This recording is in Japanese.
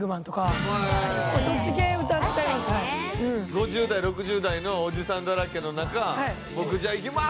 ５０代６０代のおじさんだらけの中僕じゃあいきます！